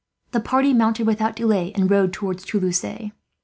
The party mounted without delay, and rode towards Toulouse.